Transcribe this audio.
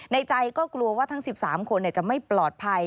ในใจก็กลัวว่าทั้ง๑๓คนจะไม่ปลอดภัย